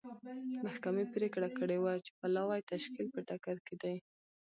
محکمې پرېکړه کړې وه چې پلاوي تشکیل په ټکر کې دی.